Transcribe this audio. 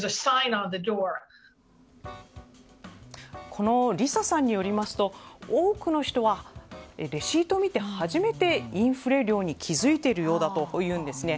このリサさんによりますと多くの人はレシートを見て初めて、インフレ料に気づいているようだというんですね。